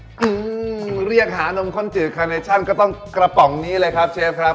อืมเรียกหานมข้นจืดคาเนชั่นก็ต้องกระป๋องนี้เลยครับเชฟครับ